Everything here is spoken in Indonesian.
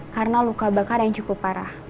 karena luka bakar yang cukup parah